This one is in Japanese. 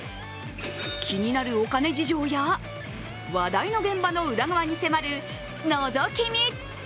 気になるお金事情や、話題の現場の裏側に迫るのぞき見！